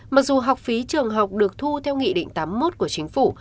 mặc dù học phí trường học được thu theo nghị định tám mươi một của chính phủ